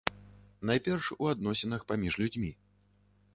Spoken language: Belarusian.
Найперш у адносінах паміж людзьмі.